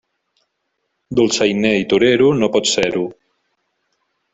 Dolçainer i torero, no pots ser-ho.